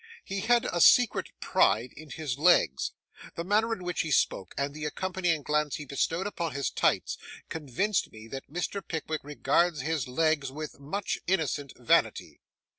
He has a secret pride in his legs. The manner in which he spoke, and the accompanying glance he bestowed upon his tights, convince me that Mr. Pickwick regards his legs with much innocent vanity.